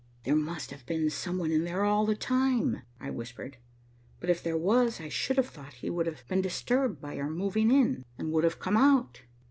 "There must have been some one in there all the time," I whispered. "But if there was, I should have thought he would have been disturbed by our moving in and would have come out."